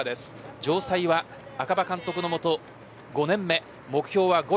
城西は赤羽監督のもと５年目、目標は５位。